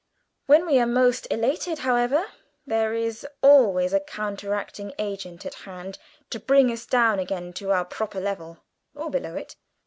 When we are most elated, however, there is always a counteracting agent at hand to bring us down again to our proper level, or below it.